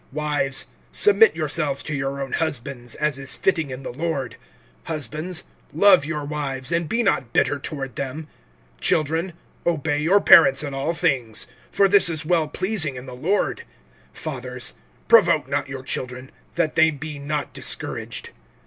(18)Wives, submit yourselves to your own husbands, as is fitting in the Lord. (19)Husbands, love your wives, and be not bitter toward them. (20)Children, obey your parents in all things; for this is well pleasing, in the Lord. (21)Fathers, provoke not your children, that they be not discouraged.